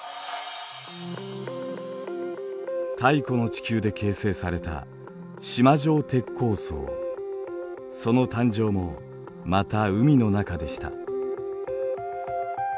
太古の地球で形成されたその誕生もまた海の中でした。